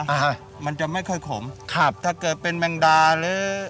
อ่ามันจะไม่ค่อยขมครับถ้าเกิดเป็นแมงดาหรือ